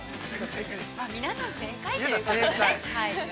◆皆さん正解ということでね。